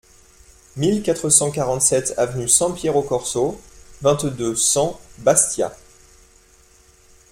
mille quatre cent quarante-sept avenue Sampiero Corso, vingt, deux cents, Bastia